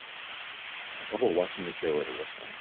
A couple watching a show at a restaurant.